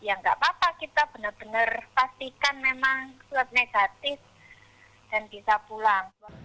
ya nggak apa apa kita benar benar pastikan memang swab negatif dan bisa pulang